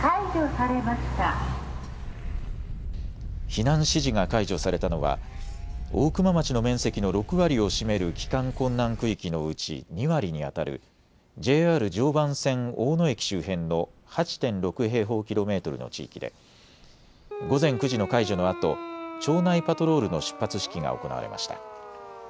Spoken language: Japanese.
避難指示が解除されたのは大熊町の面積の６割を占める帰還困難区域のうち２割にあたるＪＲ常磐線大野駅周辺の８．６平方キロメートルの地域で午前９時の解除のあと町内パトロールの出発式が行われました。